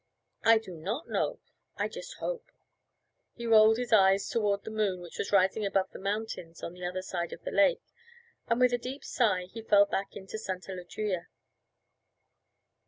'I do not know; I just hope.' He rolled his eyes toward the moon which was rising above the mountains on the other side of the lake, and with a deep sigh he fell back into Santa Lucia.